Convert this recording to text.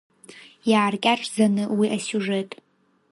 Иааркьаҿӡаны уи асиужет…